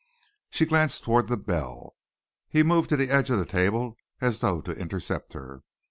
She glanced towards the bell. He moved to the edge of the table as though to intercept her.